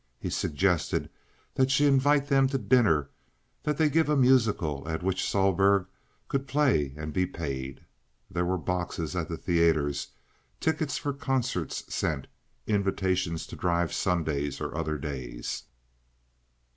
He suggested that she invite them to dinner, that they give a musical at which Sohlberg could play and be paid. There were boxes at the theaters, tickets for concerts sent, invitations to drive Sundays or other days.